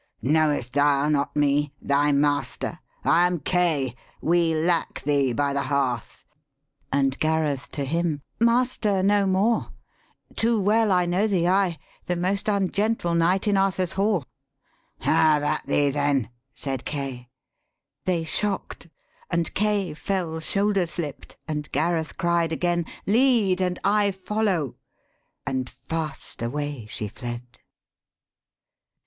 ' Knowest thou not me ? thy master? I am Kay. We lack thee by the hearth.' And Gareth to him, 'Master no more! too well I know thee, ay The most ungentle knight in Arthur's hall.' ' Have at thee then,' said Kay: they shock'd, and Kay Fell shoulder slipt, and Gareth cried again, 'Lead, and I follow,' and fast away she fled.